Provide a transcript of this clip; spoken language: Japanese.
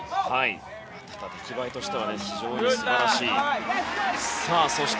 ただ、出来栄えとしては非常に素晴らしかったです。